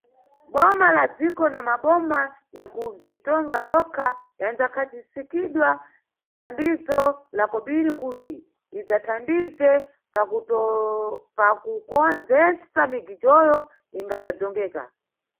Boma la dziko na maboma ya kubzitonga yokha yandzakhazikisa thandizo la kobiri kuti idzathandize pakukondzesa migijoyo ingadzadzongeka.